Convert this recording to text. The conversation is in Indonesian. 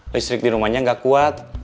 listrik di rumahnya nggak kuat